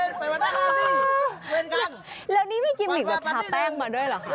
แล้วนี่ไม่กินอีกว่ากระแป้งมาด้วยเหรอ